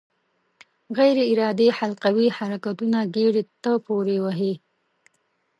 غیر ارادي حلقوي حرکتونه ګېډې ته پورې وهي.